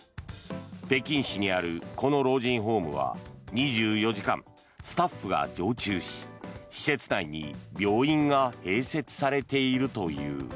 北京市にあるこの老人ホームは２４時間スタッフが常駐し施設内に病院が併設されているという。